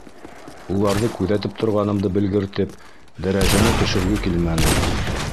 Уларҙы күҙәтеп торғанымды белгертеп, дәрәжәне төшөргө килмәне.